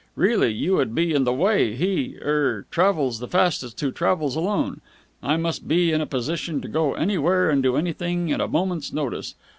Really, you would be in the way. He er travels the fastest who travels alone! I must be in a position to go anywhere and do anything at a moment's notice.